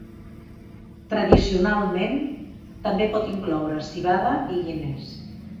Tradicionalment, també pot incloure civada i Guinness.